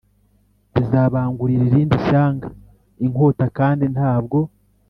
Rizabangurira irindi shyanga inkota kandi ntabwo